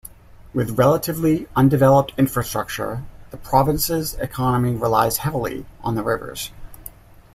With relatively undeveloped infrastructure, the province's economy relies heavily on the rivers.